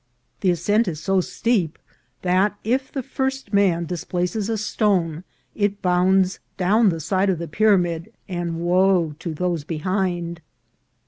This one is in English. The ascent is so steep, that if the first man displaces a stone it bounds down the side of the pyramid, and wo to those behind.